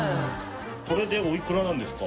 これでおいくらなんですか・